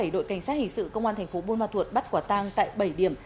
đội cảnh sát hình sự công an tp buôn ma thuật bắt quả tang tại bảy điểm